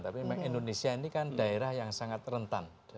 tapi memang indonesia ini kan daerah yang sangat rentan